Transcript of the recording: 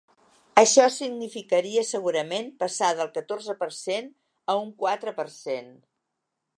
Això significaria segurament passar del catorze per cent a un quatre per cent.